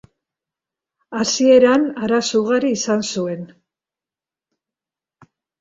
Hasieran, arazo ugari izan zuen.